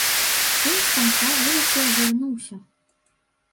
Сын з канца вуліцы азірнуўся.